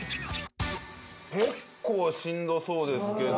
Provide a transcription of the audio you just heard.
結構しんどそうですけど。